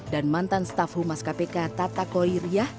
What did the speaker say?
dan mantan staf humas kpk tata koli riah